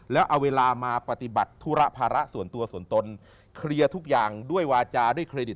แล้วเอาเวลามาปฏิบัติธุระภาระส่วนตัวส่วนตนเคลียร์ทุกอย่างด้วยวาจาด้วยเครดิต